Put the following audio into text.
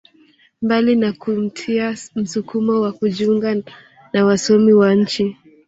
Mbali na kumtia msukumo wa kujiunga na wasomi wa nchi